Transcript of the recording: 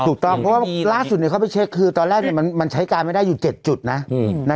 ถูกต้องเพราะว่าล่าสุดเขาไปเช็คคือตอนแรกมันใช้การไม่ได้อยู่๗จุดนะ